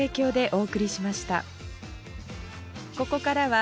お！